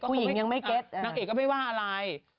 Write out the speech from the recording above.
คุณหญิงยังไม่ไงไม่ว่าอะไร